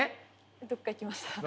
どっかいきました。